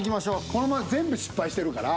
これまで全部失敗してるから。